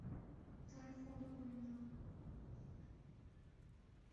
তার ফোনও বন্ধ।